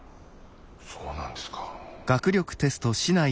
そうなんですか。